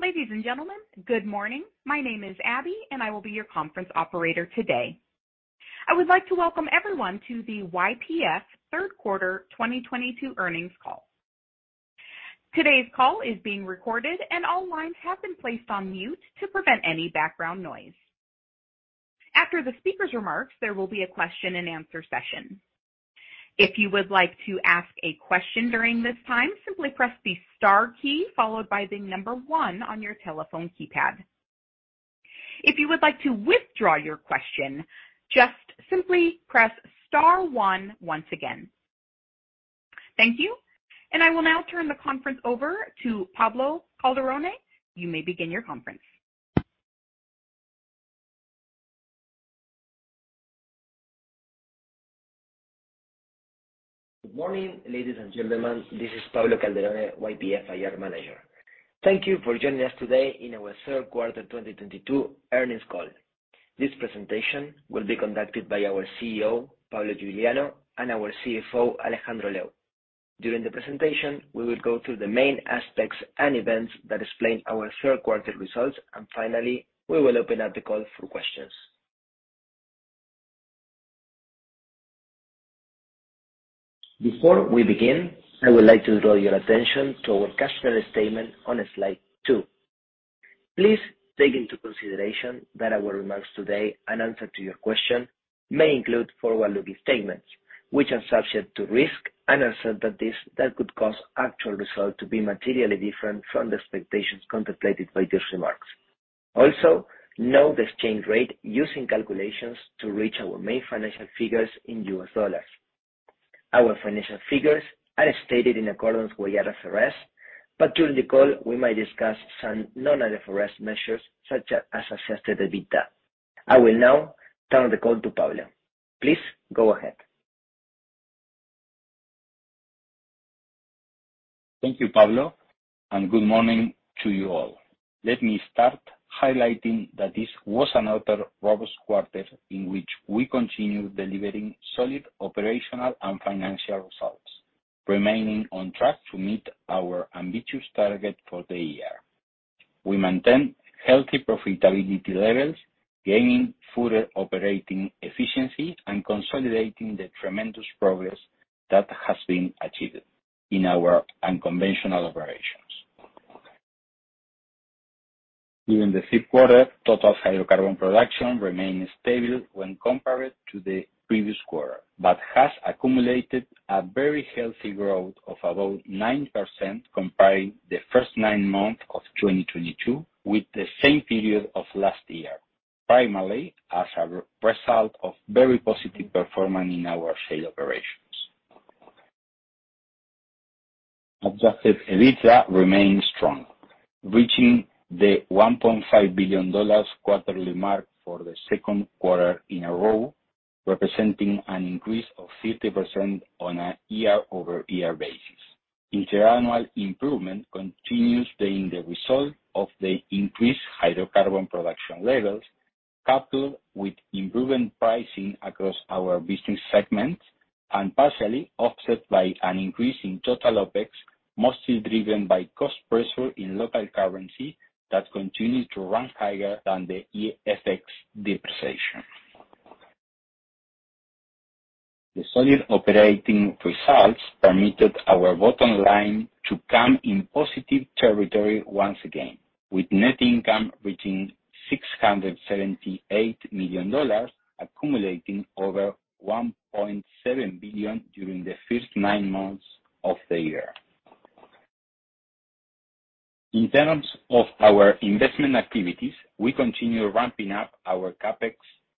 Ladies and gentlemen, good morning. My name is Abby, and I will be your conference operator today. I would like to welcome everyone to the YPF third quarter 2022 earnings call. Today's call is being recorded, and all lines have been placed on mute to prevent any background noise. After the speaker's remarks, there will be a question and answer session. If you would like to ask a question during this time, simply press the star key followed by the number one on your telephone keypad. If you would like to withdraw your question, just simply press star one once again. Thank you, and I will now turn the conference over to Pablo Calderone. You may begin your conference. Good morning, ladies and gentlemen. This is Pablo Calderone, YPF IR Manager. Thank you for joining us today in our third quarter 2022 earnings call. This presentation will be conducted by our CEO, Pablo Iuliano, and our CFO, Alejandro Lew. During the presentation, we will go through the main aspects and events that explain our third quarter results, and finally, we will open up the call for questions. Before we begin, I would like to draw your attention to our cautionary statement on slide two. Please take into consideration that our remarks today and answers to your questions may include forward-looking statements, which are subject to risk and uncertainties that could cause actual results to be materially different from the expectations contemplated by these remarks. Also, note the exchange rate used in calculations to reach our main financial figures in U.S. dollars. Our financial figures are stated in accordance with IFRS, but during the call, we might discuss some non-IFRS measures, such as adjusted EBITDA. I will now turn the call to Pablo. Please go ahead. Thank you, Pablo, and good morning to you all. Let me start highlighting that this was another robust quarter in which we continued delivering solid operational and financial results, remaining on track to meet our ambitious target for the year. We maintain healthy profitability levels, gaining further operating efficiency, and consolidating the tremendous progress that has been achieved in our unconventional operations. During the third quarter, total hydrocarbon production remained stable when compared to the previous quarter, but has accumulated a very healthy growth of about 9% comparing the first nine months of 2022 with the same period of last year, primarily as a result of very positive performance in our shale operations. Adjusted EBITDA remains strong, reaching the $1.5 billion quarterly mark for the second quarter in a row, representing an increase of 50% on a year-over-year basis. This annual improvement continues being the result of the increased hydrocarbon production levels, coupled with improving pricing across our business segments and partially offset by an increase in total OpEx, mostly driven by cost pressure in local currency that continue to run higher than the FX depreciation. The solid operating results permitted our bottom line to come in positive territory once again, with net income reaching $678 million, accumulating over $1.7 billion during the first nine months of the year. In terms of our investment activities, we continue ramping up our CapEx,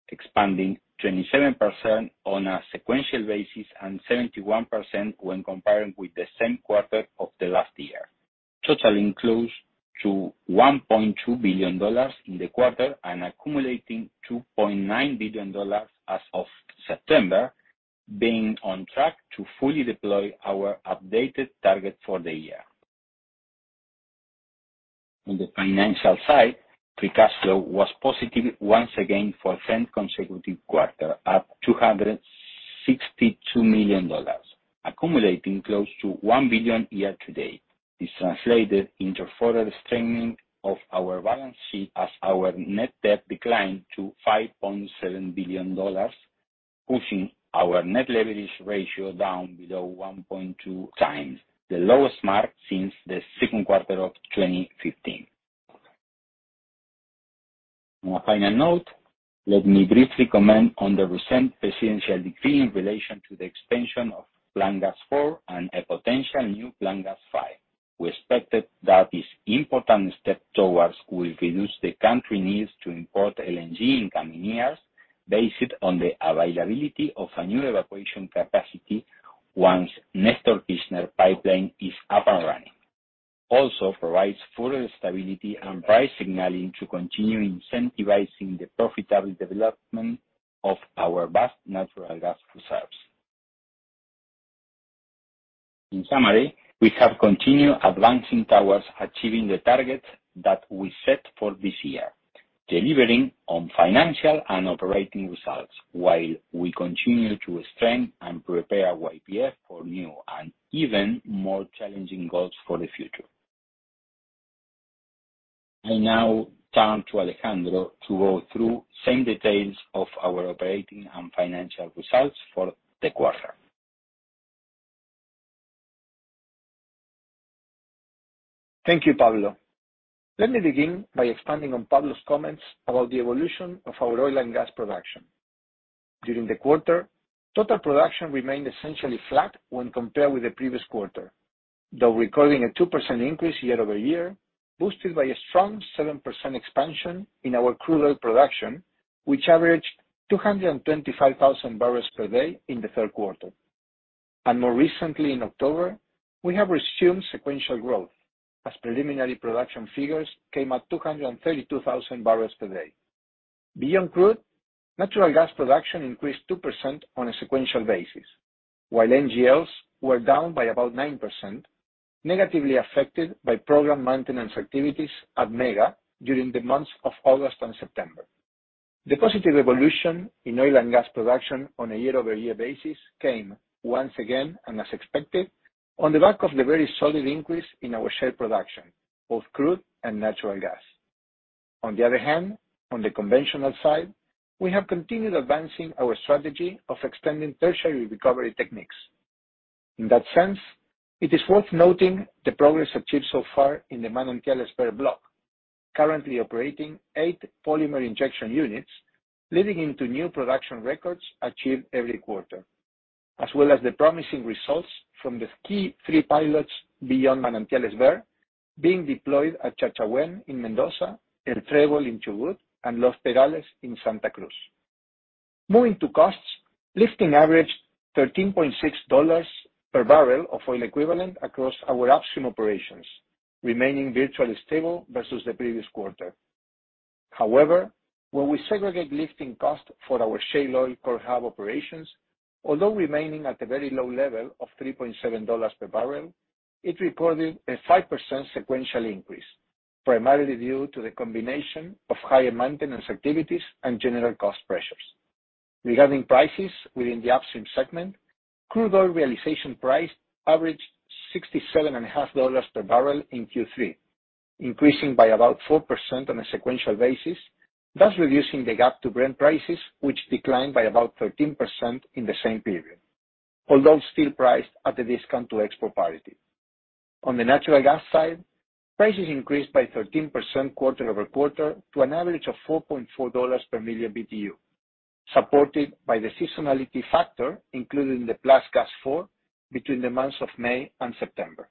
expanding 27% on a sequential basis and 71% when comparing with the same quarter of the last year, totaling close to $1.2 billion in the quarter and accumulating $2.9 billion as of September, being on track to fully deploy our updated target for the year. On the financial side, free cash flow was positive once again for a 10th consecutive quarter at $262 million, accumulating close to $1 billion year to date. This translated into further strengthening of our balance sheet as our net debt declined to $5.7 billion, pushing our net leverage ratio down below 1.2x, the lowest mark since the second quarter of 2015. On a final note, let me briefly comment on the recent Presidential decree in relation to the extension of Plan Gas.Ar 4 and a potential new Plan Gas.Ar 5. We expect that this important step will reduce the country's needs to import LNG in coming years based on the availability of a new evacuation capacity once Néstor Kirchner pipeline is up and running. Provides further stability and price signaling to continue incentivizing the profitable development of our vast natural gas reserves. In summary, we have continued advancing towards achieving the targets that we set for this year. Delivering on financial and operating results while we continue to strengthen and prepare YPF for new and even more challenging goals for the future. I now turn to Alejandro to go through same details of our operating and financial results for the quarter. Thank you, Pablo. Let me begin by expanding on Pablo's comments about the evolution of our oil and gas production. During the quarter, total production remained essentially flat when compared with the previous quarter. Though recording a 2% increase year-over-year, boosted by a strong 7% expansion in our crude oil production, which averaged 225,000 bbl per day in the third quarter. More recently in October, we have resumed sequential growth as preliminary production figures came at 232,000 bbl per day. Beyond crude, natural gas production increased 2% on a sequential basis, while NGLs were down by about 9%, negatively affected by program maintenance activities at Mega during the months of August and September. The positive evolution in oil and gas production on a year-over-year basis came once again, and as expected, on the back of the very solid increase in our shale production, both crude and natural gas. On the other hand, on the conventional side, we have continued advancing our strategy of extending tertiary recovery techniques. In that sense, it is worth noting the progress achieved so far in the Manantiales Behr block, currently operating eight polymer injection units, leading into new production records achieved every quarter, as well as the promising results from the key three pilots beyond Manantiales Behr being deployed at Chachahuén in Mendoza, El Trébol in Chubut, and Los Perales in Santa Cruz. Moving to costs, lifting averaged $13.6 per bbl of oil equivalent across our upstream operations, remaining virtually stable versus the previous quarter. However, when we segregate lifting costs for our shale oil core hub operations, although remaining at a very low level of $3.7 per bbl, it recorded a 5% sequential increase, primarily due to the combination of higher maintenance activities and general cost pressures. Regarding prices within the upstream segment, crude oil realization price averaged $67.5 per bbl in Q3, increasing by about 4% on a sequential basis, thus reducing the gap to Brent prices, which declined by about 13% in the same period, although still priced at a discount to export parity. On the natural gas side, prices increased by 13% quarter-over-quarter to an average of $4.4 per million BTU, supported by the seasonality factor, including the Plan Gas.Ar 4 between the months of May and September.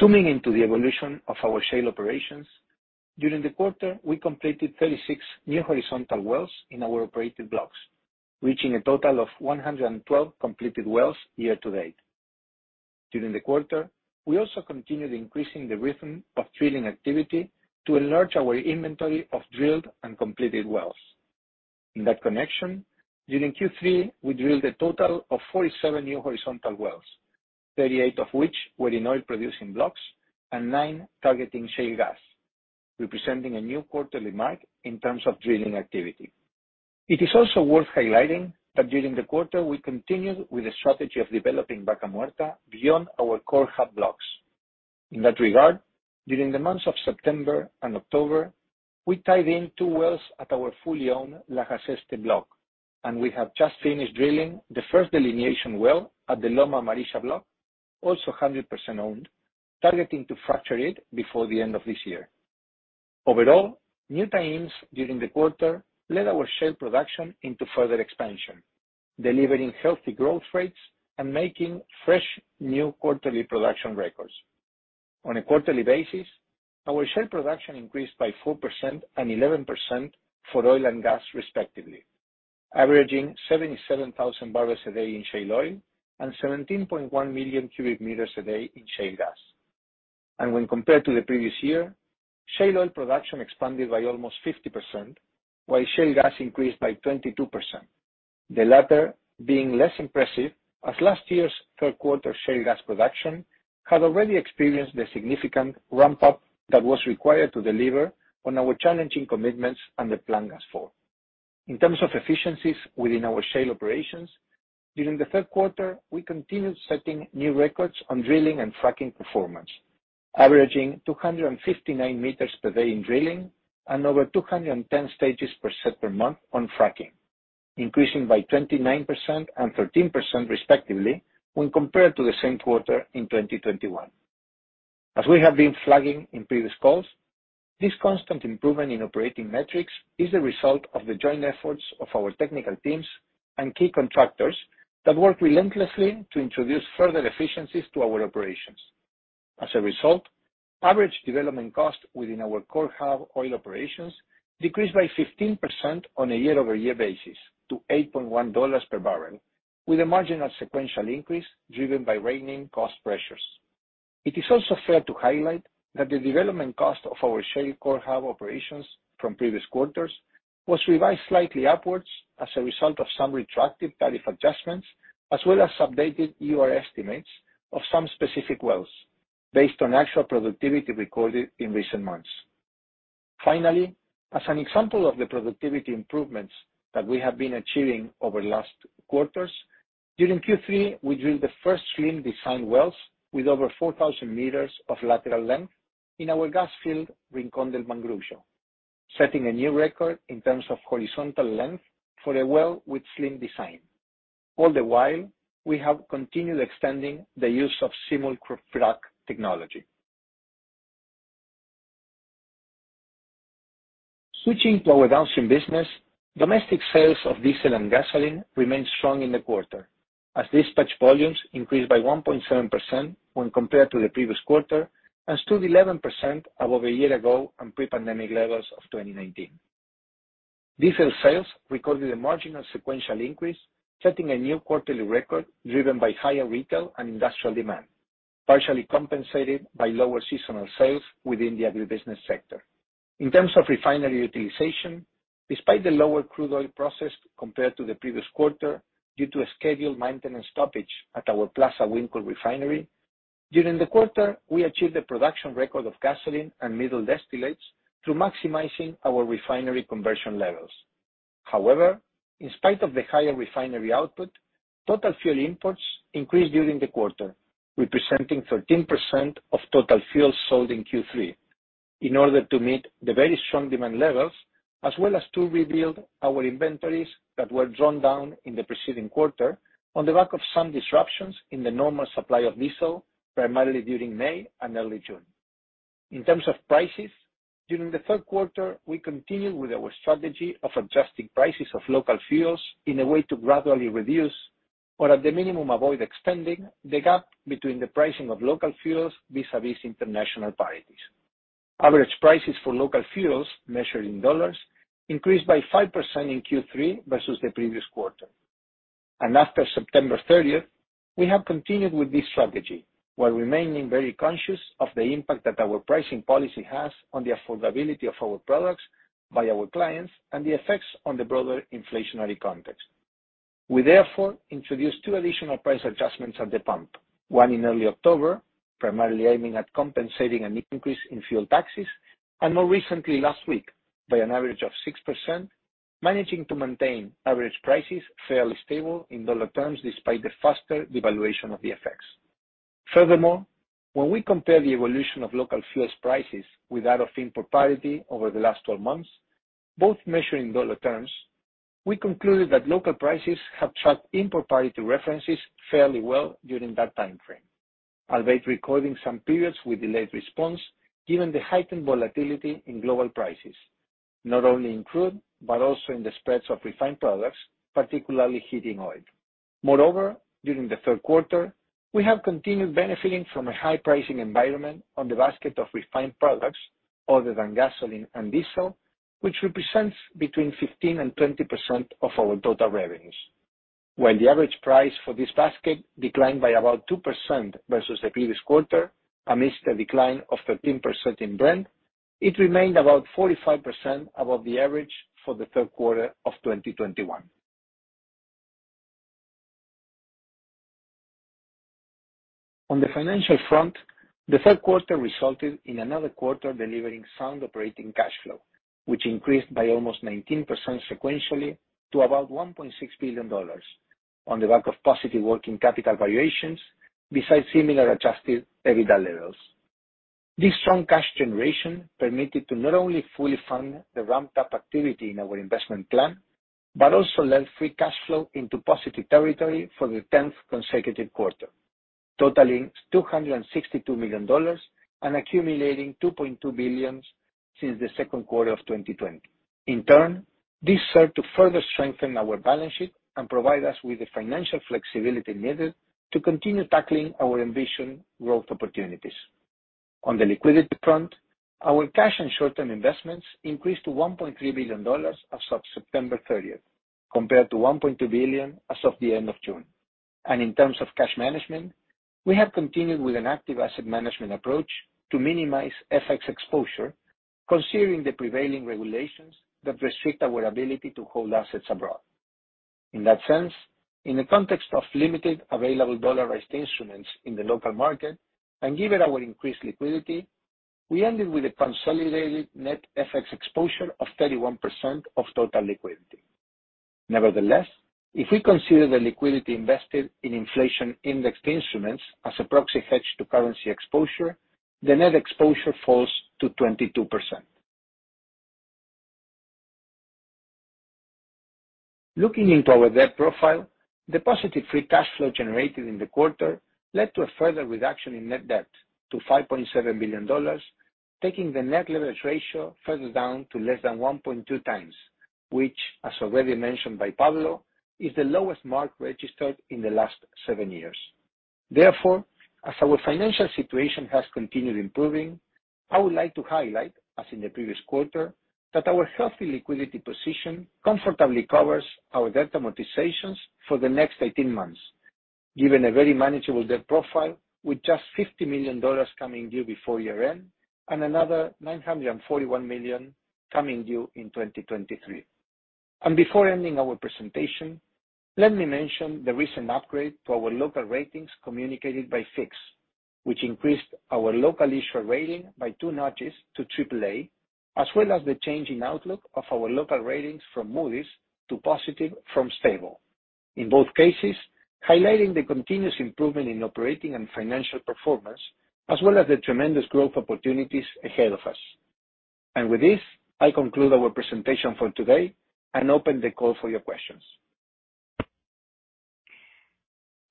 Zooming into the evolution of our shale operations, during the quarter, we completed 36 new horizontal wells in our operated blocks, reaching a total of 112 completed wells year to date. During the quarter, we also continued increasing the rhythm of drilling activity to enlarge our inventory of drilled and completed wells. In that connection, during Q3, we drilled a total of 47 new horizontal wells, 38 of which were in oil-producing blocks and nine targeting shale gas, representing a new quarterly mark in terms of drilling activity. It is also worth highlighting that during the quarter, we continued with a strategy of developing Vaca Muerta beyond our core hub blocks. In that regard, during the months of September and October, we tied in two wells at our fully owned Lajas Este block, and we have just finished drilling the first delineation well at the Loma Amarilla block, also 100% owned, targeting to fracture it before the end of this year. Overall, new tie-ins during the quarter led our shale production into further expansion, delivering healthy growth rates and making fresh new quarterly production records. On a quarterly basis, our shale production increased by 4% and 11% for oil and gas respectively, averaging 77,000 bbl a day in shale oil and 17.1 million cubic meters a day in shale gas. When compared to the previous year, shale oil production expanded by almost 50%, while shale gas increased by 22%, the latter being less impressive as last year's third quarter shale gas production had already experienced a significant ramp-up that was required to deliver on our challenging commitments and the Plan Gas.Ar 4. In terms of efficiencies within our shale operations, during the third quarter, we continued setting new records on drilling and fracking performance, averaging 259 meters per day in drilling and over 210 stages per set per month on fracking, increasing by 29% and 13% respectively when compared to the same quarter in 2021. As we have been flagging in previous calls, this constant improvement in operating metrics is a result of the joint efforts of our technical teams and key contractors that work relentlessly to introduce further efficiencies to our operations. As a result, average development cost within our core hub oil operations decreased by 15% on a year-over-year basis to $8.1 per bbl, with a marginal sequential increase driven by rising cost pressures. It is also fair to highlight that the development cost of our shale core hub operations from previous quarters was revised slightly upwards as a result of some retroactive tariff adjustments, as well as updated EUR estimates of some specific wells based on actual productivity recorded in recent months. Finally, as an example of the productivity improvements that we have been achieving over last quarters, during Q3, we drilled the first slim-hole design wells with over 4,000 meters of lateral length in our gas field, Rincón del Mangrullo, setting a new record in terms of horizontal length for a well with slim-hole design. All the while, we have continued extending the use of simul-frac technology. Switching to our downstream business, domestic sales of diesel and gasoline remained strong in the quarter, as dispatch volumes increased by 1.7% when compared to the previous quarter, and stood 11% above a year ago and pre-pandemic levels of 2019. Diesel sales recorded a marginal sequential increase, setting a new quarterly record driven by higher retail and industrial demand, partially compensated by lower seasonal sales within the agribusiness sector. In terms of refinery utilization, despite the lower crude oil processed compared to the previous quarter due to a scheduled maintenance stoppage at our Plaza Huincul refinery, during the quarter, we achieved a production record of gasoline and middle distillates through maximizing our refinery conversion levels. However, in spite of the higher refinery output, total fuel imports increased during the quarter, representing 13% of total fuel sold in Q3, in order to meet the very strong demand levels, as well as to rebuild our inventories that were drawn down in the preceding quarter on the back of some disruptions in the normal supply of diesel, primarily during May and early June. In terms of prices, during the third quarter, we continued with our strategy of adjusting prices of local fuels in a way to gradually reduce, or at the minimum, avoid extending the gap between the pricing of local fuels vis-à-vis international parities. Average prices for local fuels measured in dollars increased by 5% in Q3 versus the previous quarter. After September 30th, we have continued with this strategy, while remaining very conscious of the impact that our pricing policy has on the affordability of our products by our clients and the effects on the broader inflationary context. We therefore introduced two additional price adjustments at the pump, one in early October, primarily aiming at compensating an increase in fuel taxes, and more recently last week, by an average of 6%, managing to maintain average prices fairly stable in dollar terms despite the faster devaluation of the effects. Furthermore, when we compare the evolution of local fuels prices with that of import parity over the last 12 months, both measured in dollar terms, we concluded that local prices have tracked import parity references fairly well during that time frame, albeit recording some periods with delayed response given the heightened volatility in global prices, not only in crude, but also in the spreads of refined products, particularly heating oil. Moreover, during the third quarter, we have continued benefiting from a high pricing environment on the basket of refined products other than gasoline and diesel, which represents between 15% and 20% of our total revenues. While the average price for this basket declined by about 2% versus the previous quarter amidst a decline of 13% in Brent, it remained about 45% above the average for the third quarter of 2021. On the financial front, the third quarter resulted in another quarter delivering sound operating cash flow, which increased by almost 19% sequentially to about $1.6 billion on the back of positive working capital variations, besides similar adjusted EBITDA levels. This strong cash generation permitted to not only fully fund the ramped up activity in our investment plan, but also led free cash flow into positive territory for the 10th consecutive quarter, totaling $262 million and accumulating $2.2 billion since the second quarter of 2020. In turn, this served to further strengthen our balance sheet and provide us with the financial flexibility needed to continue tackling our ambition growth opportunities. On the liquidity front, our cash and short-term investments increased to $1.3 billion as of September 30th, compared to $1.2 billion as of the end of June. In terms of cash management, we have continued with an active asset management approach to minimize FX exposure, considering the prevailing regulations that restrict our ability to hold assets abroad. In that sense, in the context of limited available dollarized instruments in the local market and given our increased liquidity, we ended with a consolidated net FX exposure of 31% of total liquidity. Nevertheless, if we consider the liquidity invested in inflation-indexed instruments as a proxy hedge to currency exposure, the net exposure falls to 22%. Looking into our debt profile, the positive free cash flow generated in the quarter led to a further reduction in net debt to $5.7 billion, taking the net leverage ratio further down to less than 1.2x, which as already mentioned by Pablo, is the lowest mark registered in the last seven years. Therefore, as our financial situation has continued improving, I would like to highlight, as in the previous quarter, that our healthy liquidity position comfortably covers our debt amortizations for the next 18 months. Given a very manageable debt profile with just $50 million coming due before year-end, and another $941 million coming due in 2023. Before ending our presentation, let me mention the recent upgrade to our local ratings communicated by FIX SCR, which increased our local issuer rating by two notches to AAA, as well as the change in outlook of our local ratings from Moody's to positive from stable. In both cases, highlighting the continuous improvement in operating and financial performance, as well as the tremendous growth opportunities ahead of us. With this, I conclude our presentation for today and open the call for your questions.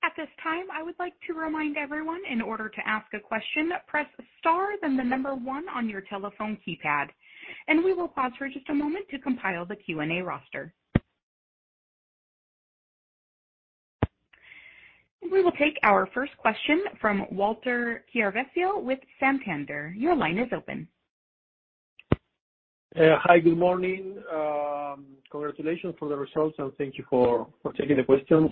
At this time, I would like to remind everyone, in order to ask a question, press star then one on your telephone keypad, and we will pause for just a moment to compile the Q&A roster. We will take our first question from Walter Chiarvesio with Santander. Your line is open. Hi, good morning. Congratulations for the results, and thank you for taking the questions,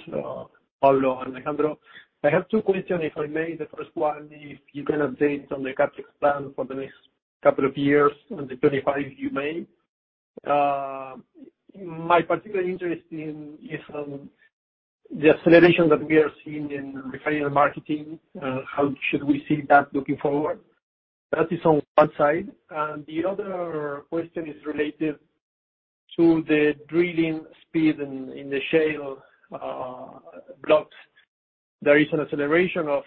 Pablo and Alejandro. I have two questions, if I may. The first one, if you can update on the CapEx plan for the next couple of years on the 25 you made. My particular interest in is the acceleration that we are seeing in refinery marketing, how should we see that looking forward? That is on one side. The other question is related to the drilling speed in the shale blocks. There is an acceleration of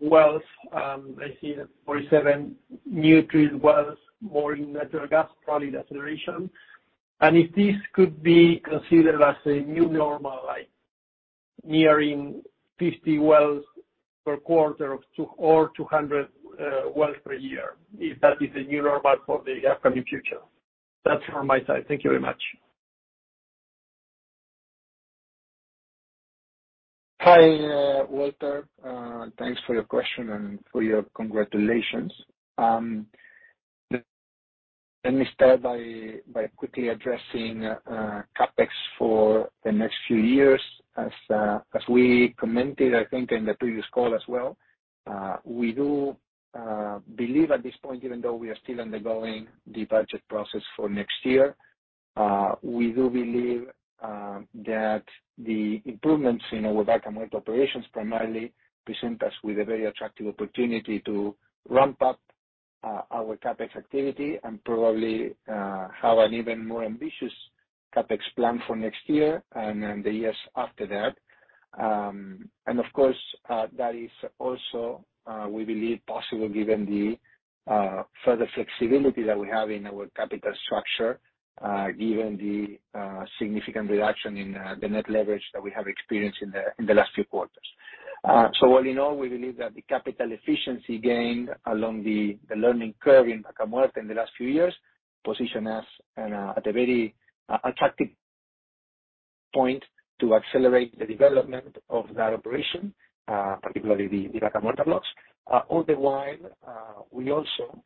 wells. I see that 47 new drilled wells, more in natural gas, probably the acceleration. If this could be considered as a new normal, like nearing 50 wells per quarter or 200 wells per year, if that is the new normal for the upcoming future. That's from my side. Thank you very much. Hi, Walter. Thanks for your question and for your congratulations. Let me start by quickly addressing CapEx for the next few years. As we commented, I think in the previous call as well, we do believe at this point, even though we are still undergoing the budget process for next year, we do believe that the improvements in our Vaca Muerta operations primarily present us with a very attractive opportunity to ramp up our CapEx activity and probably have an even more ambitious CapEx plan for next year and then the years after that. Of course, that is also we believe possible given the further flexibility that we have in our capital structure, given the significant reduction in the net leverage that we have experienced in the last few quarters. All in all, we believe that the capital efficiency gained along the learning curve in Vaca Muerta in the last few years position us at a very attractive point to accelerate the development of that operation, particularly the Vaca Muerta blocks. All the while, we also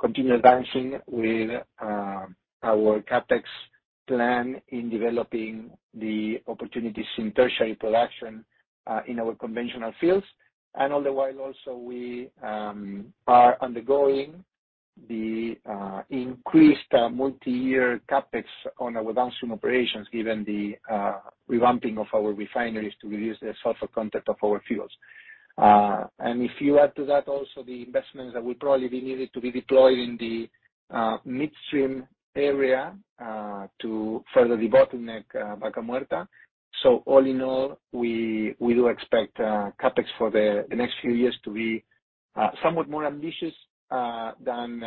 continue advancing with our CapEx plan in developing the opportunities in tertiary production in our conventional fields. All the while also we are undergoing the increased multi-year CapEx on our downstream operations given the revamping of our refineries to reduce the sulfur content of our fuels. If you add to that also the investments that will probably be needed to be deployed in the midstream area to further debottleneck Vaca Muerta. All in all, we do expect CapEx for the next few years to be somewhat more ambitious than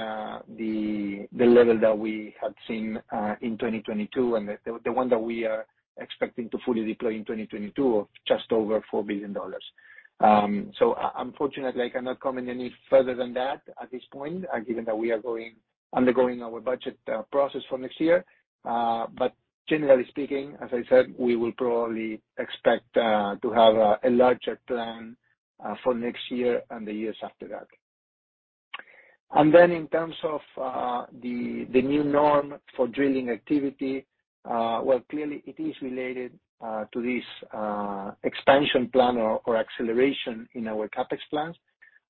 the level that we had seen in 2022 and the one that we are expecting to fully deploy in 2022 of just over $4 billion. Unfortunately, I cannot comment any further than that at this point, given that we are undergoing our budget process for next year. Generally speaking, as I said, we will probably expect to have a larger plan for next year and the years after that. Then in terms of the new norm for drilling activity, well, clearly it is related to this expansion plan or acceleration in our CapEx plans,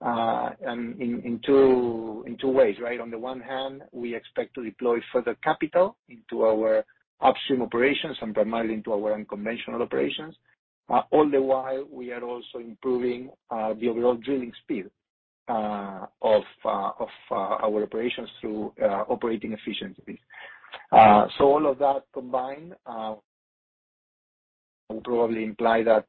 and in two ways, right? On the one hand, we expect to deploy further capital into our upstream operations and primarily into our unconventional operations, all the while we are also improving the overall drilling speed of our operations through operating efficiencies. All of that combined will probably imply that,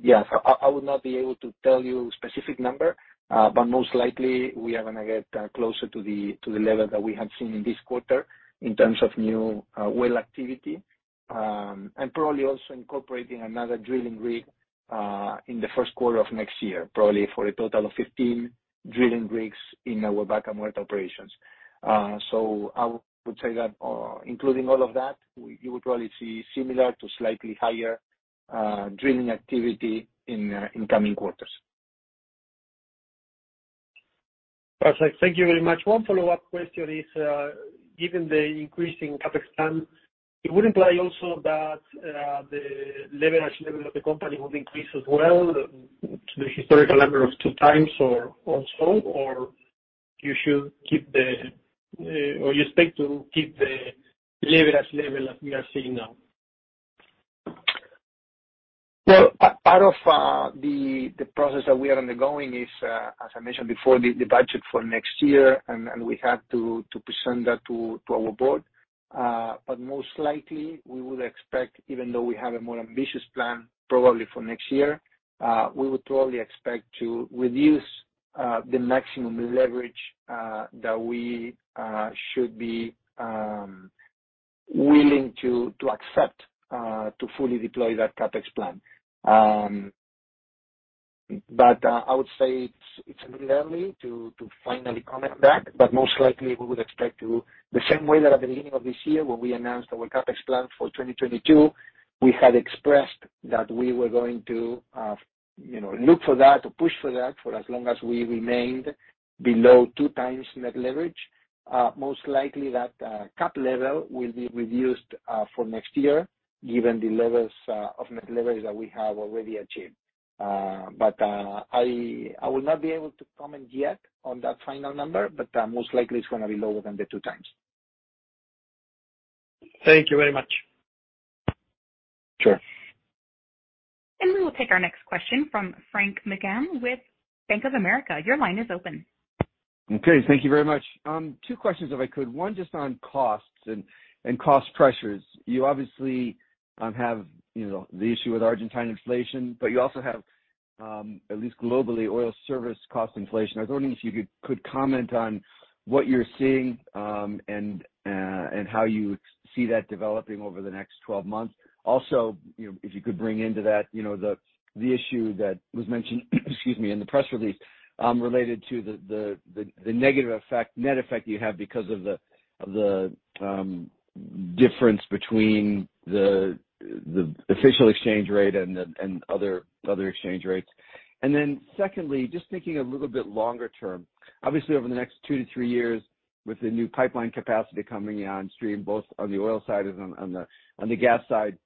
yes, I would not be able to tell you specific number, but most likely we are gonna get closer to the level that we have seen in this quarter in terms of new well activity. Probably also incorporating another drilling rig in the first quarter of next year. Probably for a total of 15 drilling rigs in our Vaca Muerta operations. I would say that, including all of that, you would probably see similar to slightly higher drilling activity in coming quarters. Okay, thank you very much. One follow-up question is, given the increase in CapEx spend, it would imply also that the leverage level of the company would increase as well to the historical level of 2x or also, or you expect to keep the leverage level as we are seeing now? Well, part of the process that we are undergoing is, as I mentioned before, the budget for next year, and we have to present that to our board. Most likely we would expect even though we have a more ambitious plan probably for next year, we would probably expect to reduce the maximum leverage that we should be willing to accept to fully deploy that CapEx plan. I would say it's a little early to finally comment that, but most likely we would expect in the same way that at the beginning of this year when we announced our CapEx plan for 2022, we had expressed that we were going to, you know, look for that or push for that for as long as we remained below 2x net leverage. Most likely that cap level will be reduced for next year given the levels of net leverage that we have already achieved. I will not be able to comment yet on that final number, but most likely it's gonna be lower than the 2x. Thank you very much. Sure. We will take our next question from Frank McGann with Bank of America. Your line is open. Okay. Thank you very much. Two questions if I could. One just on costs and cost pressures. You obviously have, you know, the issue with Argentine inflation, but you also have at least globally, oil service cost inflation. I was wondering if you could comment on what you're seeing and how you see that developing over the next 12 months. Also, you know, if you could bring into that, you know, the issue that was mentioned, excuse me, in the press release related to the negative effect, net effect you have because of the difference between the official exchange rate and other exchange rates. Then secondly, just thinking a little bit longer term, obviously over the next 2-3 years with the new pipeline capacity coming on stream, both on the oil side and on the gas side,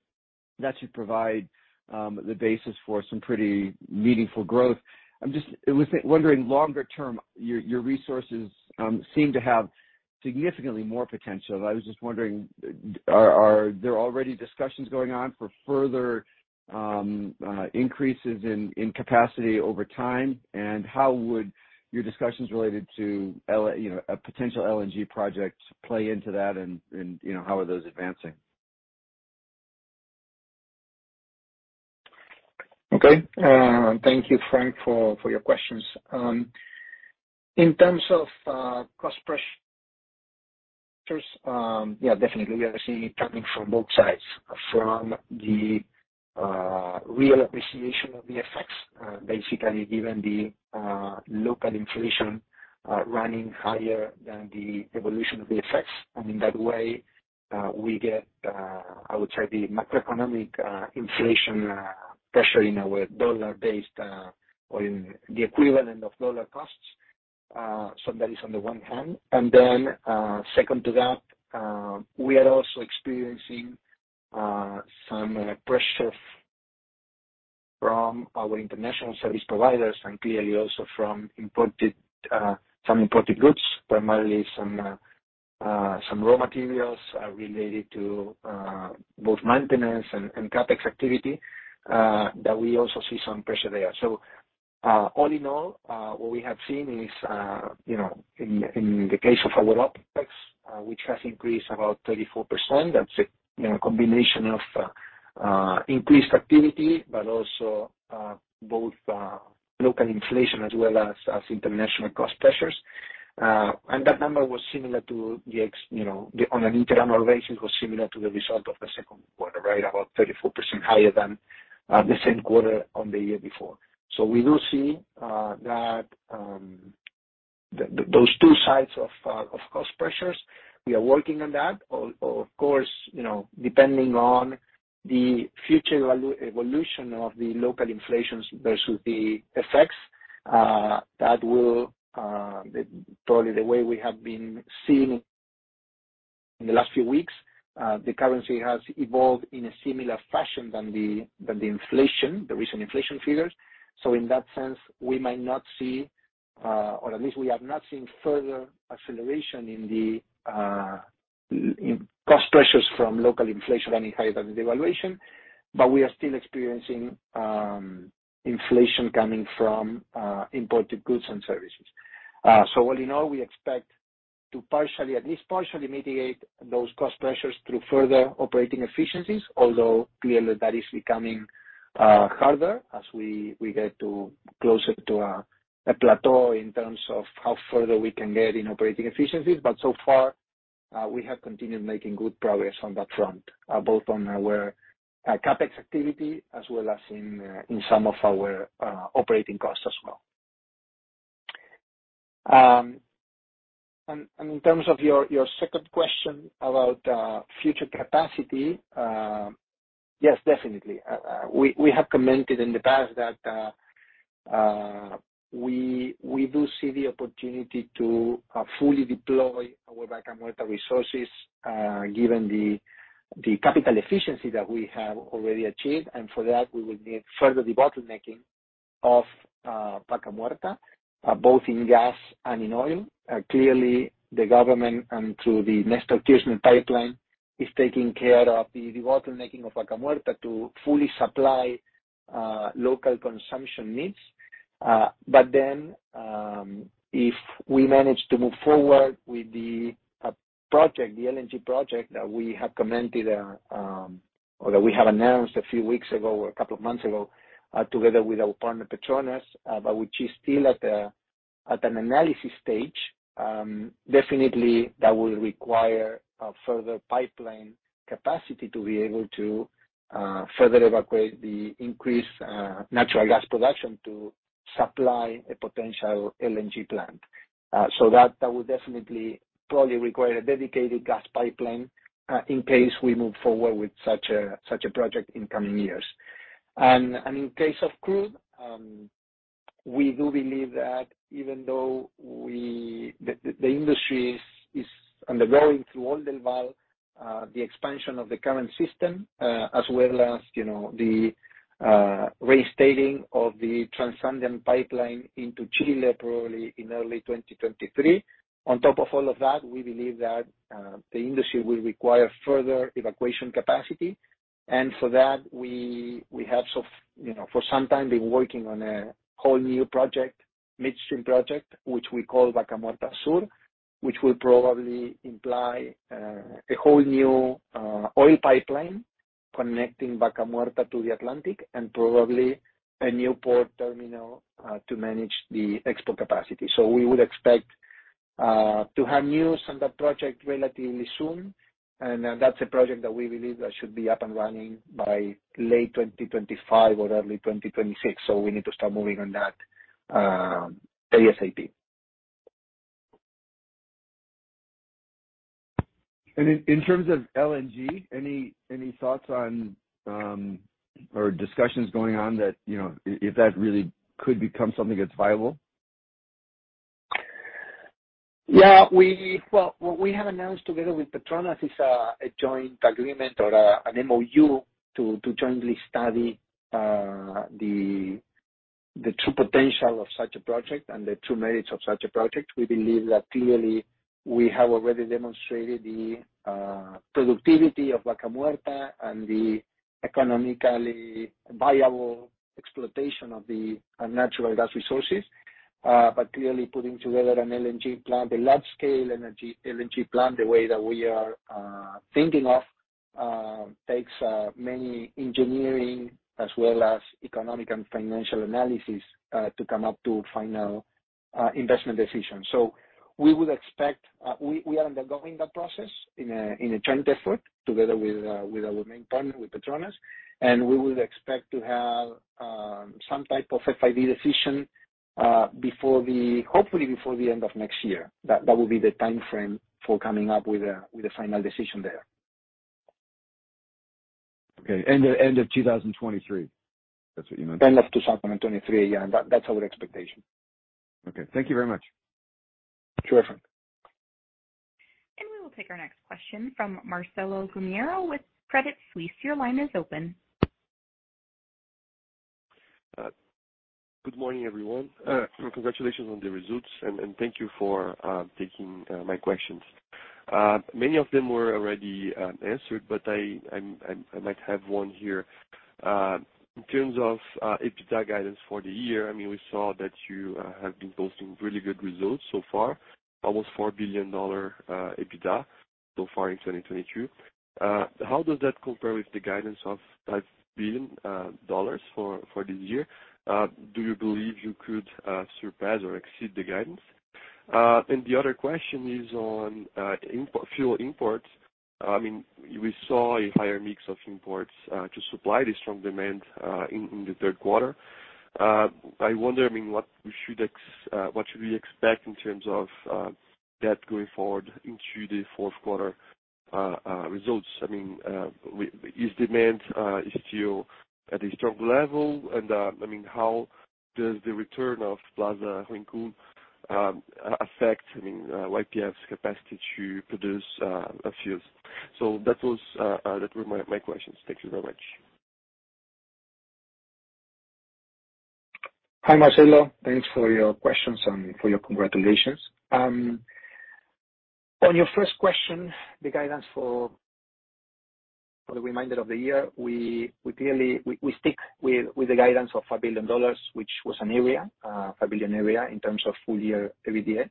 that should provide the basis for some pretty meaningful growth. I was wondering longer term, your resources seem to have significantly more potential. I was just wondering, are there already discussions going on for further increases in capacity over time? How would your discussions related to, you know, a potential LNG project play into that and, you know, how are those advancing? Okay. Thank you, Frank, for your questions. In terms of cost pressures, yeah, definitely we are seeing it coming from both sides. From the real appreciation of the FX, basically given the local inflation running higher than the evolution of the FX. I mean, that way, we get, I would say the macroeconomic inflation pressure in our dollar-based or in the equivalent of dollar costs. That is on the one hand. Then, second to that, we are also experiencing some pressure from our international service providers and clearly also from imported goods, primarily some raw materials related to both maintenance and CapEx activity, that we also see some pressure there. All in all, what we have seen is, you know, in the case of our OpEx, which has increased about 34%, that's a, you know, combination of increased activity, but also both local inflation as well as international cost pressures. That number was similar to, you know, the year-over-year internal ratio, it was similar to the result of the second quarter, right? About 34% higher than the same quarter of the year before. We do see that those two sides of cost pressures. We are working on that. Of course, you know, depending on the future evolution of the local inflation versus the effects that will probably the way we have been seeing in the last few weeks, the currency has evolved in a similar fashion to the inflation, the recent inflation figures. In that sense, we might not see, or at least we have not seen further acceleration in the cost pressures from local inflation any higher than the devaluation, but we are still experiencing inflation coming from imported goods and services. All in all, we expect to partially, at least partially mitigate those cost pressures through further operating efficiencies, although clearly that is becoming harder as we get closer to a plateau in terms of how further we can get in operating efficiencies. So far, we have continued making good progress on that front, both on our CapEx activity as well as in some of our operating costs as well. And in terms of your second question about future capacity, yes, definitely. We have commented in the past that we do see the opportunity to fully deploy our Vaca Muerta resources, given the capital efficiency that we have already achieved. For that, we will need further debottlenecking of Vaca Muerta, both in gas and in oil. Clearly the government and through the Néstor Kirchner Pipeline is taking care of the debottlenecking of Vaca Muerta to fully supply local consumption needs. But then if we manage to move forward with the project, the LNG project that we have commented or that we have announced a few weeks ago or a couple of months ago, together with our partner Petronas, but which is still at an analysis stage, definitely that will require further pipeline capacity to be able to further evacuate the increased natural gas production to supply a potential LNG plant. That would definitely probably require a dedicated gas pipeline in case we move forward with such a project in coming years and in case of crude, we do believe that even though we... The industry is undergoing the expansion of the current system, as well as, you know, the restarting of the Trasandino Pipeline into Chile probably in early 2023. On top of all of that, we believe that the industry will require further evacuation capacity and for that, we have, you know, for some time been working on a whole new project, midstream project, which we call Vaca Muerta Sur, which will probably imply a whole new oil pipeline connecting Vaca Muerta to the Atlantic and probably a new port terminal to manage the export capacity. We would expect to have news on that project relatively soon. That's a project that we believe that should be up and running by late 2025 or early 2026. We need to start moving on that, ASAP. And in terms of LNG, any thoughts on or discussions going on that, you know, if that really could become something that's viable? Yeah. Well, what we have announced together with Petronas is a joint agreement or an MOU to jointly study the true potential of such a project and the true merits of such a project. We believe that clearly we have already demonstrated the productivity of Vaca Muerta and the economically viable exploitation of the natural gas resources. But clearly putting together an LNG plant, a large scale LNG plant, the way that we are thinking of takes many engineering as well as economic and financial analysis to come up to final investment decisions. We would expect we are undergoing that process in a joint effort together with our main partner, with Petronas, and we would expect to have some type of FID decision before the... Hopefully before the end of next year. That will be the timeframe for coming up with a final decision there. Okay. End of 2023? That's what you meant. End of 2023. Yeah. That, that's our expectation. Okay. Thank you very much. Sure. We will take our next question from Marcelo Gumiero with Credit Suisse. Your line is open. Good morning, everyone. Congratulations on the results, and thank you for taking my questions. Many of them were already answered, but I might have one here. In terms of EBITDA guidance for the year, I mean, we saw that you have been posting really good results so far, almost $4 billion EBITDA so far in 2022. How does that compare with the guidance of $5 billion for this year? Do you believe you could surpass or exceed the guidance? The other question is on imported fuel imports. I mean, we saw a higher mix of imports to supply the strong demand in the third quarter. I wonder, I mean, what we should expect in terms of that going forward into the fourth quarter results? I mean, is demand still at a strong level? I mean, how does the return of Plaza Huincul affect YPF's capacity to produce fuels? That were my questions. Thank you very much. Hi, Marcelo. Thanks for your questions and for your congratulations. On your first question, the guidance for the remainder of the year, we clearly stick with the guidance of $5 billion, which was an area, $5 billion area in terms of full-year EBITDA.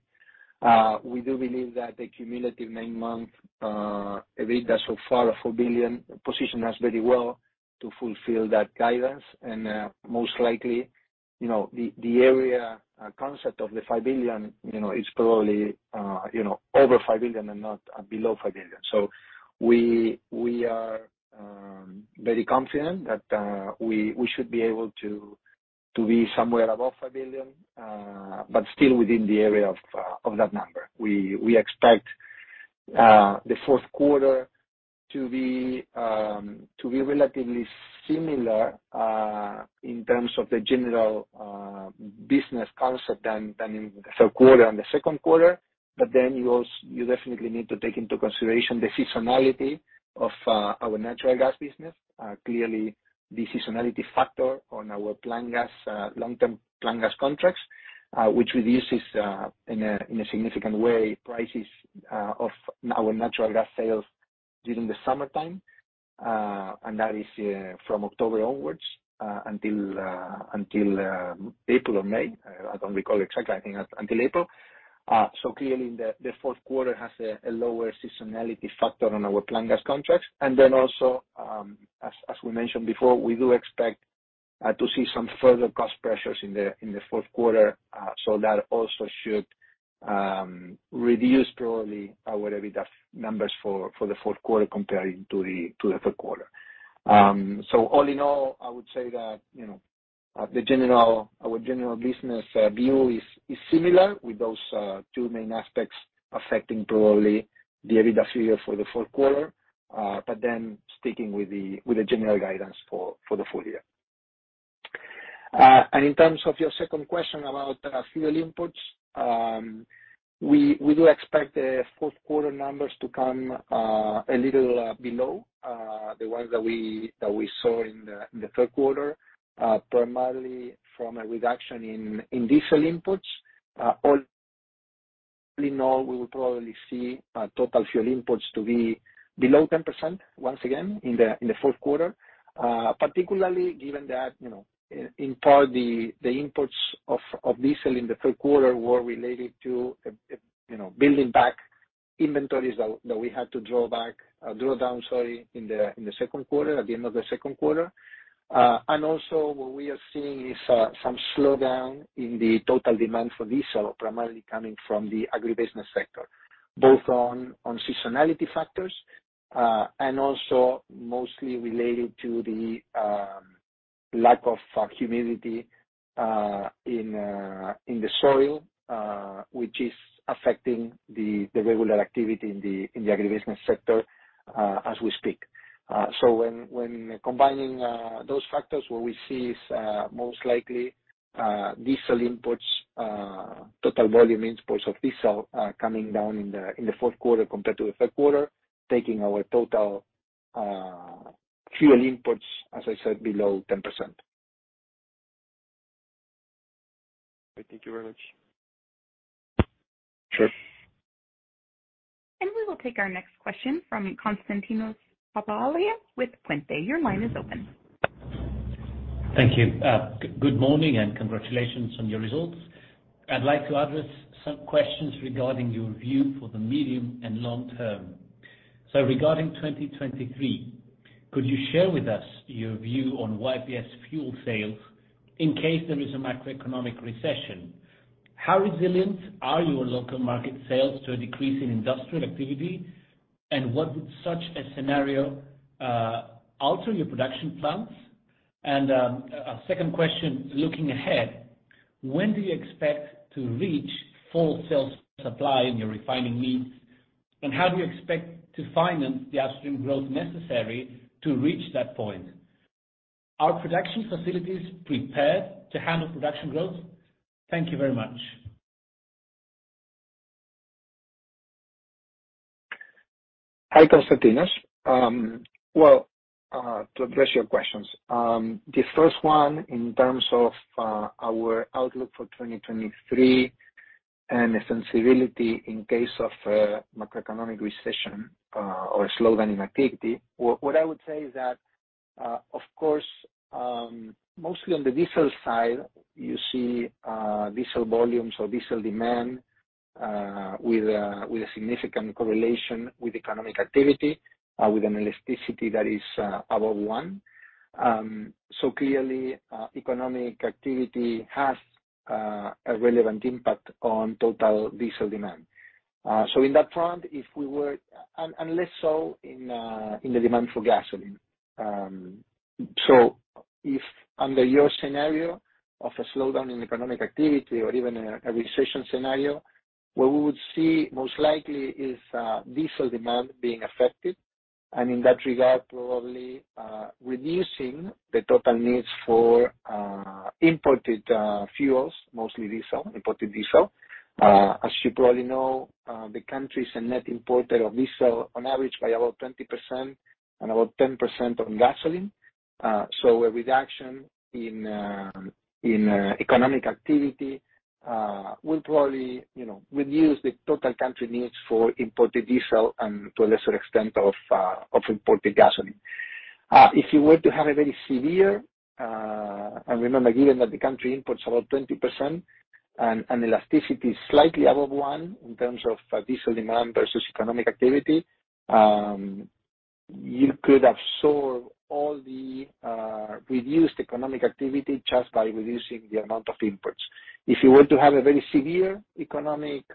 We do believe that the cumulative nine-month EBITDA so far of $4 billion positions us very well to fulfill that guidance. Most likely, you know, the area concept of the $5 billion, you know, is probably, you know, over $5 billion and not below $5 billion. We are very confident that we should be able to be somewhere above a billion, but still within the area of that number. We expect the fourth quarter to be relatively similar in terms of the general business concept than in the third quarter and the second quarter. You definitely need to take into consideration the seasonality of our natural gas business. Clearly the seasonality factor on our Plan Gas.Ar Long-term Plan Gas.Ar Contracts, which reduces in a significant way prices of our natural gas sales during the summertime. That is from October onwards until April or May. I don't recall exactly. I think until April. Clearly the fourth quarter has a lower seasonality factor on our Plan Gas.Ar Contracts. As we mentioned before, we do expect to see some further cost pressures in the fourth quarter. That also should reduce probably our EBITDA numbers for the fourth quarter comparing to the third quarter. All in all, I would say that, you know, the general, our general business view is similar with those two main aspects affecting probably the EBITDA figure for the fourth quarter. Sticking with the general guidance for the full year. In terms of your second question about fuel imports, we do expect the fourth quarter numbers to come a little below the ones that we saw in the third quarter, primarily from a reduction in diesel imports. All in all, we will probably see total fuel imports to be below 10% once again in the fourth quarter. Particularly given that, you know, in part, the imports of diesel in the third quarter were related to, you know, building back inventories that we had to draw down, sorry, in the second quarter, at the end of the second quarter. What we are seeing is some slowdown in the total demand for diesel, primarily coming from the agribusiness sector, both on seasonality factors and also mostly related to the lack of humidity in the soil, which is affecting the regular activity in the agribusiness sector, as we speak. When combining those factors, what we see is most likely diesel imports, total volume imports of diesel, coming down in the fourth quarter compared to the third quarter, taking our total fuel imports, as I said, below 10%. Thank you very much. Sure. We will take our next question from Konstantinos Papalias with Puente. Your line is open. Thank you. Good morning and congratulations on your results. I'd like to address some questions regarding your view for the medium and long term. Regarding 2023, could you share with us your view on YPF's fuel sales in case there is a macroeconomic recession? How resilient are your local market sales to a decrease in industrial activity? What would such a scenario alter your production plans? A second question, looking ahead, when do you expect to reach full self-supply in your refining needs? How do you expect to finance the upstream growth necessary to reach that point? Are production facilities prepared to handle production growth? Thank you very much. Hi, Konstantinos. Well, to address your questions, the first one in terms of our outlook for 2023 and the sensitivity in case of a macroeconomic recession or slowdown in activity, what I would say is that of course, mostly on the diesel side, you see, diesel volumes or diesel demand with a significant correlation with economic activity with an elasticity that is above one. Clearly, economic activity has a relevant impact on total diesel demand. So in that front, and less so in the demand for gasoline. If under your scenario of a slowdown in economic activity or even a recession scenario, what we would see most likely is diesel demand being affected. In that regard, probably reducing the total needs for imported fuels, mostly diesel, imported diesel. As you probably know, the country is a net importer of diesel on average by about 20% and about 10% on gasoline. So a reduction in economic activity will probably, you know, reduce the total country needs for imported diesel and to a lesser extent of imported gasoline. If you would were to have a severe, remember given that the country imports about 20% and elasticity is slightly above one in terms of diesel demand versus economic activity, you could absorb all the reduced economic activity just by reducing the amount of imports. If you were to have a very severe economic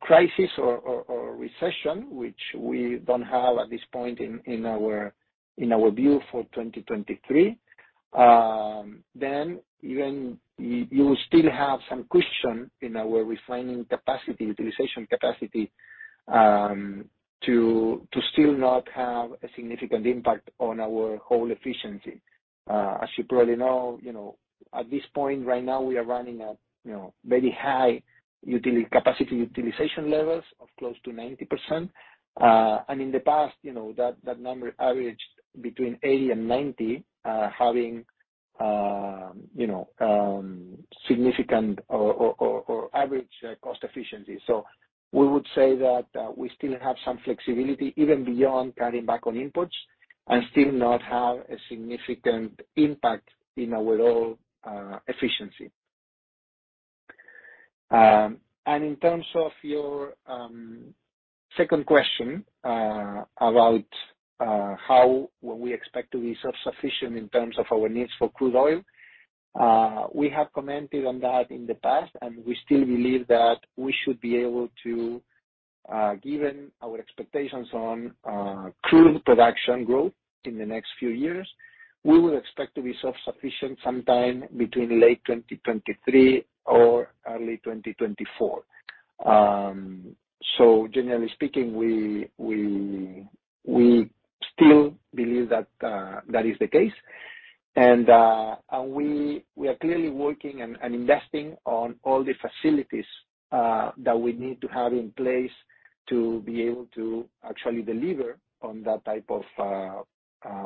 crisis or recession, which we don't have at this point in our view for 2023. Even then you still have some cushion in our refining capacity utilization to still not have a significant impact on our whole efficiency. As you probably know, you know, at this point right now, we are running at, you know, very high capacity utilization levels of close to 90%. In the past, you know, that number averaged between 80% and 90%, having significant or average cost efficiency. We would say that we still have some flexibility even beyond cutting back on inputs and still not have a significant impact in our overall efficiency. And in terms of your second question, about how when we expect to be self-sufficient in terms of our needs for crude oil, we have commented on that in the past, and we still believe that we should be able to, given our expectations on crude production growth in the next few years, we would expect to be self-sufficient sometime between late 2023 or early 2024. So generally speaking, we still believe that that is the case. We are clearly working and investing on all the facilities that we need to have in place to be able to actually deliver on that type of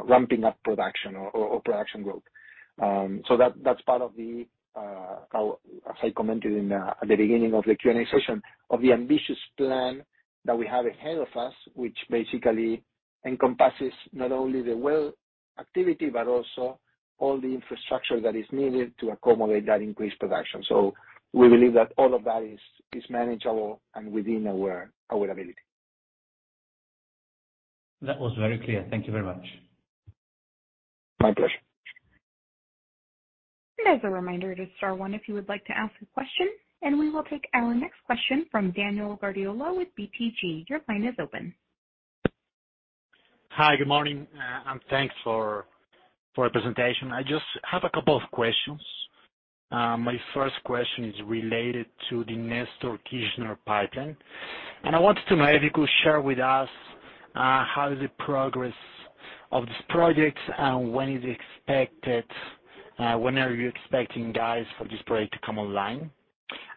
ramping up production or production growth. So that's part of the how. As I commented in, at the beginning of the Q&A session, of the ambitious plan that we have ahead of us, which basically encompasses not only the well activity, but also all the infrastructure that is needed to accommodate that increased production. We believe that all of that is manageable and within our ability. That was very clear. Thank you very much. My pleasure. As a reminder, it is star one if you would like to ask a question, and we will take our next question from Daniel Guardiola with BTG. Your line is open. Hi, good morning, and thanks for your presentation. I just have a couple of questions. My first question is related to the Néstor Kirchner Pipeline. I wanted to know if you could share with us how the progress of this project and when is expected, when are you expecting guys for this project to come online?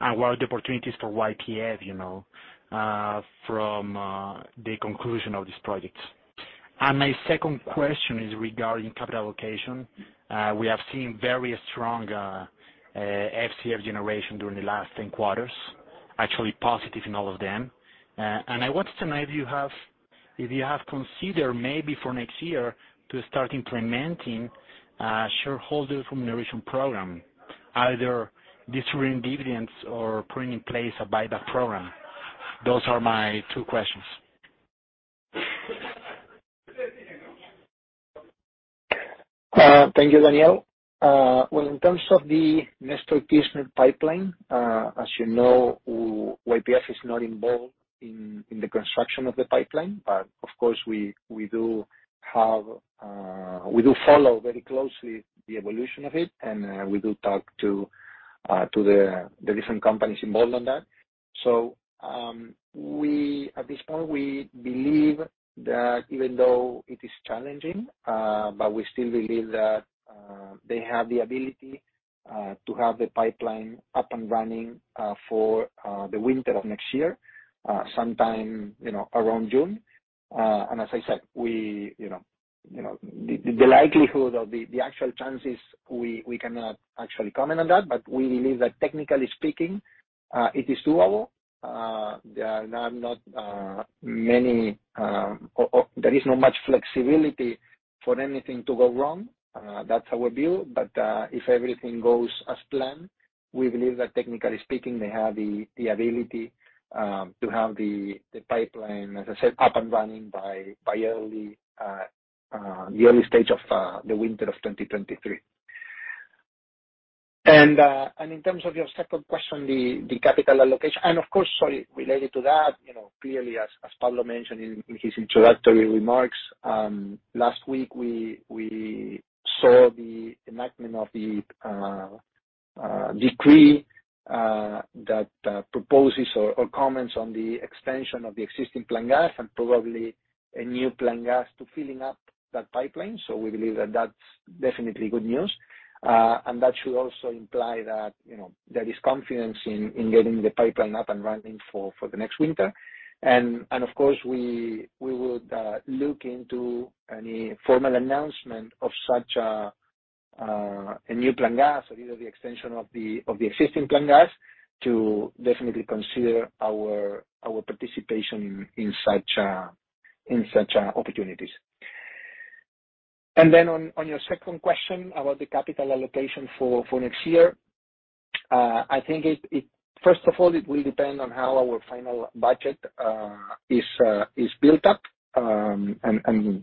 What are the opportunities for YPF, you know, from the conclusion of this project? And my second question is regarding capital allocation. We have seen very strong FCF generation during the last 10 quarters, actually positive in all of them. I wanted to know if you have considered maybe for next year to start implementing a shareholder remuneration program, either issuing dividends or putting in place a buyback program. Those are my two questions. Thank you, Daniel. Well, in terms of the Néstor Kirchner Pipeline, as you know, YPF is not involved in the construction of the pipeline, but of course, we do follow very closely the evolution of it, and we do talk to the different companies involved on that. So at this point, we believe that even though it is challenging, but we still believe that they have the ability to have the pipeline up and running for the winter of next year, sometime, you know, around June. As I said, you know, the likelihood of the actual chances, we cannot actually comment on that, but we believe that technically speaking, it is doable. There are not many, or there is not much flexibility for anything to go wrong. That's our view. If everything goes as planned, we believe that technically speaking, they have the ability to have the pipeline, as I said, up and running by the early stage of the winter of 2023. In terms of your second question, the capital allocation, and of course, sorry, related to that, you know, clearly as Pablo mentioned in his introductory remarks, last week, we saw the enactment of the decree that proposes or comments on the extension of the existing Plan Gas.Ar and probably a new Plan Gas.Ar to filling up that pipeline. We believe that that's definitely good news. That should also imply that, you know, there is confidence in getting the pipeline up and running for the next winter. Of course, we would look into any formal announcement of such a new Plan Gas.Ar or either the extension of the existing Plan Gas.Ar to definitely consider our participation in such opportunities. And then on your second question about the capital allocation for next year, I think it. First of all, it will depend on how our final budget is built up and,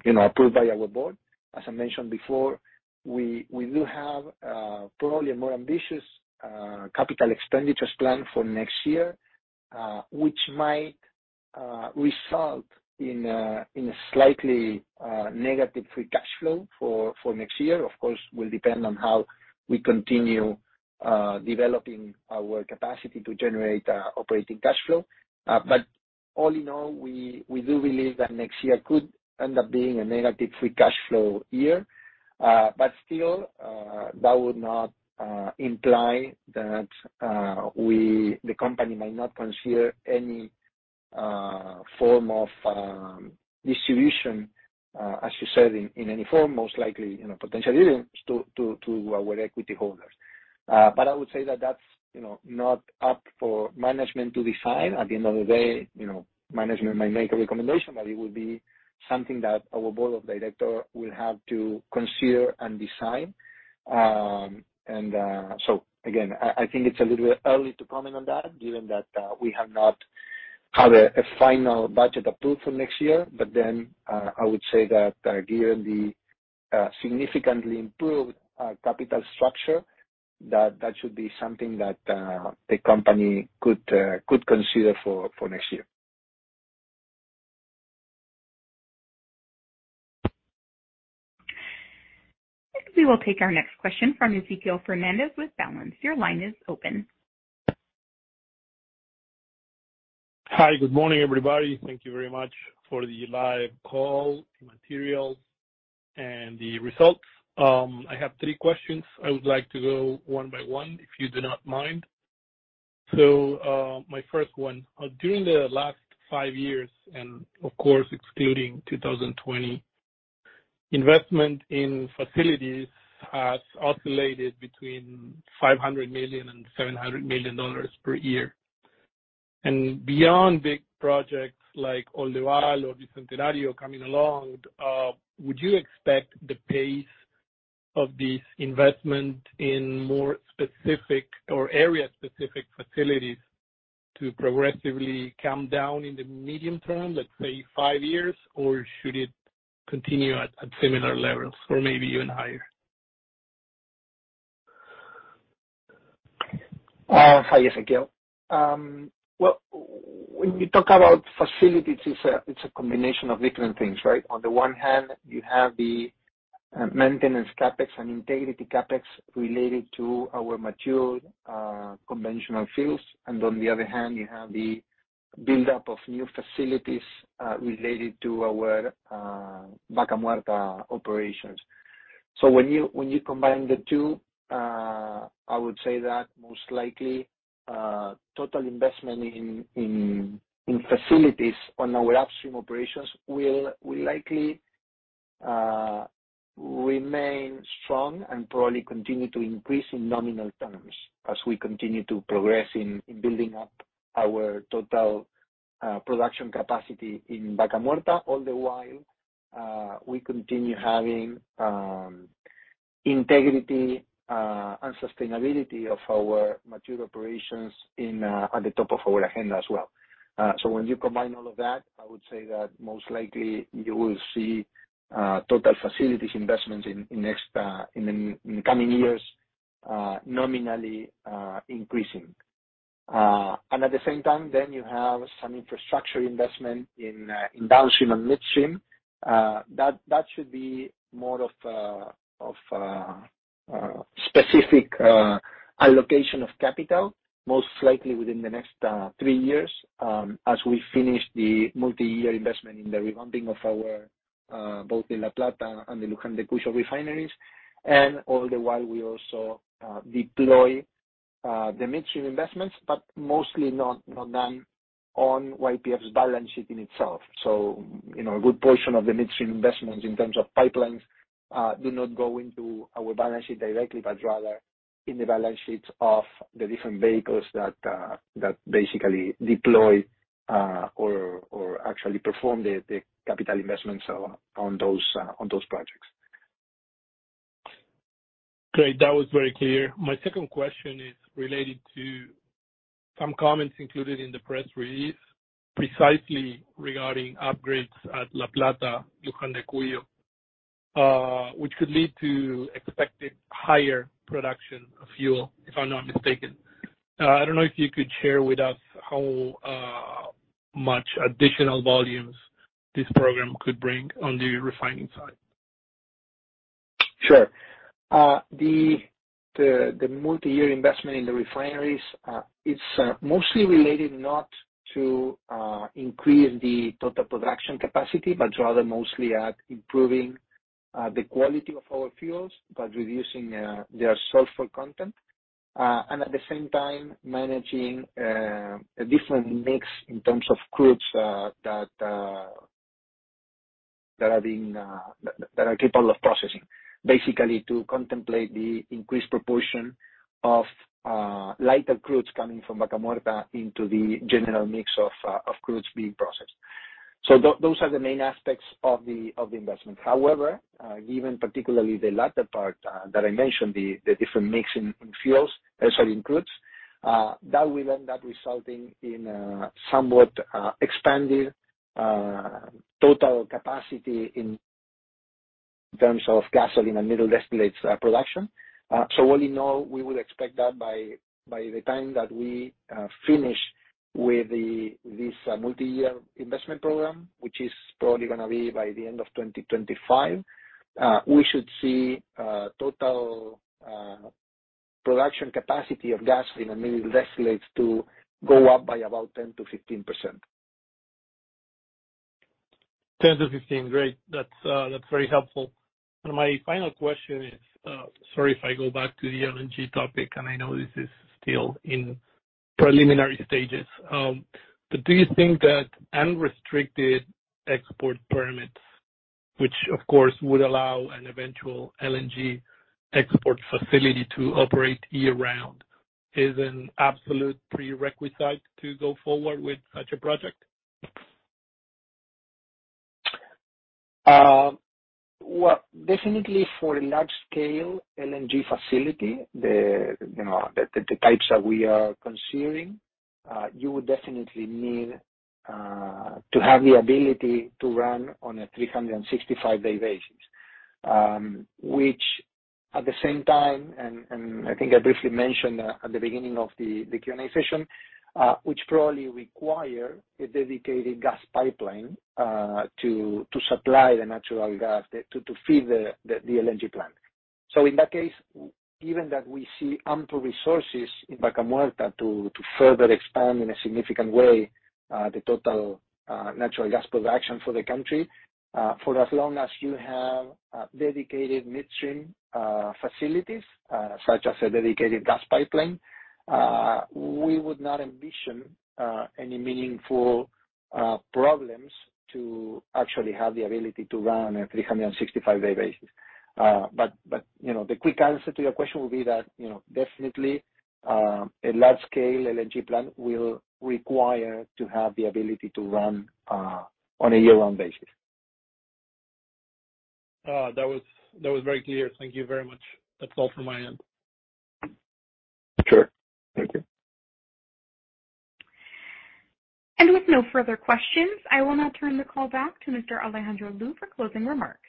you know, approved by our Board. As I mentioned before, we do have probably a more ambitious capital expenditures plan for next year, which might result in a slightly negative free cash flow for next year. Of course, it will depend on how we continue developing our capacity to generate operating cash flow. But all in all, we do believe that next year could end up being a negative free cash flow year. But still, that would not imply that we, the company may not consider any form of distribution, as you said, in any form, most likely, you know, potentially to our equity holders. But I would say that that's, you know, not up for management to decide. At the end of the day, you know, management might make a recommendation, but it would be something that our Board of Directors will have to consider and decide. So I think it's a little bit early to comment on that given that we have not had a final budget approved for next year. But then I would say that given the significantly improved capital structure, that should be something that the company could consider for next year. We will take our next question from Ezequiel Fernández with Balanz. Your line is open. Hi. Good morning, everybody. Thank you very much for the live call, the material, and the results. I have three questions. I would like to go one by one, if you do not mind. My first one. During the last five years, and of course excluding 2020, investment in facilities has oscillated between $500 million and $700 million per year. Beyond big projects like Oleoducto Bicentenario coming along, would you expect the pace of this investment in more specific or area-specific facilities to progressively come down in the medium term, let's say five years? Or should it continue at similar levels or maybe even higher? Hi, Ezequiel. Well, when we talk about facilities, it's a combination of different things, right? On the one hand, you have the maintenance CapEx and integrity CapEx related to our mature conventional fields. On the other hand, you have the buildup of new facilities related to our Vaca Muerta operations. When you combine the two, I would say that most likely total investment in facilities on our upstream operations will likely remain strong and probably continue to increase in nominal terms as we continue to progress in building up our total production capacity in Vaca Muerta. All the while, we continue having integrity and sustainability of our mature operations at the top of our agenda as well. And when you combine all of that, I would say that most likely you will see total facilities investments in the coming years, nominally increasing. At the same time, you have some infrastructure investment in downstream and midstream. That should be more of specific allocation of capital, most likely within the next three years, as we finish the multiyear investment in the revamping of our both the La Plata and the Luján de Cuyo refineries. All the while, we also deploy the midstream investments, but mostly not done on YPF's balance sheet in itself. So you know, a good portion of the midstream investments in terms of pipelines do not go into our balance sheet directly, but rather in the balance sheets of the different vehicles that basically deploy, or actually perform the capital investments on those projects. Great. That was very clear. My second question is related to some comments included in the press release, precisely regarding upgrades at La Plata, Luján de Cuyo, which could lead to expected higher production of fuel, if I'm not mistaken. I don't know if you could share with us how much additional volumes this program could bring on the refining side. Sure. The multiyear investment in the refineries, it's mostly related not to increase the total production capacity, but rather mostly at improving the quality of our fuels by reducing their sulfur content. At the same time, managing a different mix in terms of crudes that are capable of processing, basically to contemplate the increased proportion of lighter crudes coming from Vaca Muerta into the general mix of crudes being processed. Those are the main aspects of the investment. However, given particularly the latter part that I mentioned, the different mix in fuels as well that will end up resulting in somewhat expanded total capacity in terms of gasoline and middle distillates production. So all in all, we would expect that by the time that we finish with this multiyear investment program, which is probably gonna be by the end of 2025, we should see total production capacity of gasoline and middle distillates to go up by about 10%-15%. 10%-15%. Great. That's very helpful. My final question is, sorry if I go back to the LNG topic, and I know this is still in preliminary stages. But do you think that unrestricted export permits, which of course would allow an eventual LNG export facility to operate year round, is an absolute prerequisite to go forward with such a project? Well, definitely for a large scale LNG facility, you know, the types that we are considering, you would definitely need to have the ability to run on a 365-day basis. Which at the same time, and I think I briefly mentioned at the beginning of the Q&A session, which probably require a dedicated gas pipeline to supply the natural gas to feed the LNG plant. So in that case, given that we see ample resources in Vaca Muerta to further expand in a significant way, the total natural gas production for the country, for as long as you have dedicated midstream facilities, such as a dedicated gas pipeline, we would not envision any meaningful problems to actually have the ability to run a 365-day basis. But you know, the quick answer to your question would be that, you know, definitely, a large scale LNG plant will require to have the ability to run on a year-round basis. That was very clear. Thank you very much. That's all from my end. Sure. Thank you. With no further questions, I will now turn the call back to Mr. Alejandro Lew for closing remarks.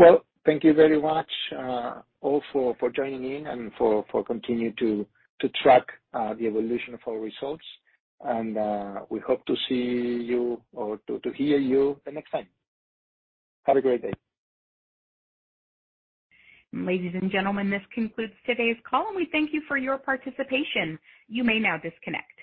Well, thank you very much, all for joining in and for continuing to track the evolution of our results. We hope to see you or to hear you the next time. Have a great day. Ladies and gentlemen, this concludes today's call, and we thank you for your participation. You may now disconnect.